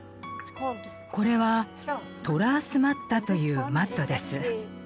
これは「トラースマッタ」というマットです。